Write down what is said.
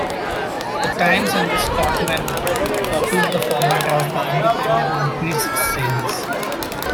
"The Times" and "The Scotsman" copied the format as "The Independent" increased sales.